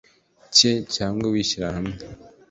cye cyangwa w ishyirahamwe